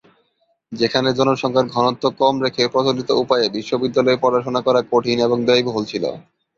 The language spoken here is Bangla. যেখানে জনসংখ্যার ঘনত্ব কম রেখে প্রচলিত উপায়ে বিদ্যালয়ে পড়াশোনা করা কঠিন এবং ব্যয়বহুল ছিল।